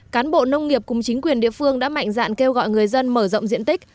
cán bộ nông nghiệp cùng chính quyền địa phương đã mạnh dạn kêu gọi người dân mở rộng diện tích